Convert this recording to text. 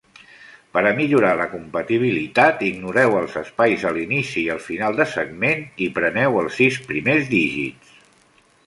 Per a millorar la compatibilitat, ignoreu els espais a l'inici i al final de segment, i preneu els sis primers dígits.